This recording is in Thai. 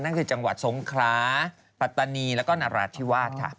นั่งจากจังหวัดทรงคล้าปัตตานีแล้วก็หน้าราชที่วาดค่ะ